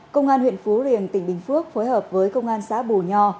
công an huyện phú riềng tỉnh bình phước phối hợp với công an xã bù nho